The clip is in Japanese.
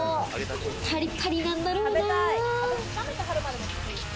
パリパリなんだろうな。